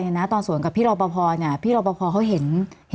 มีความรู้สึกว่ามีความรู้สึกว่ามีความรู้สึกว่า